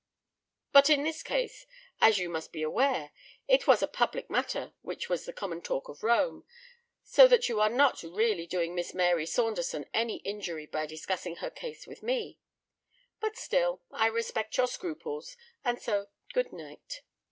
But in this case, as you must be aware, it was a public matter which was the common talk of Rome, so that you are not really doing Miss Mary Saunderson any injury by discussing her case with me. But still, I respect your scruples; and so good night!"